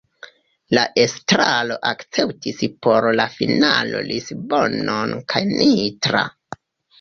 La estraro akceptis por la finalo Lisbonon kaj Nitra.